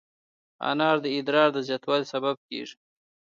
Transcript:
انار د ادرار د زیاتوالي سبب کېږي.